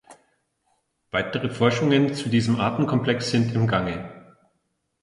Weitere Forschungen zu diesem Artenkomplex sind im Gange.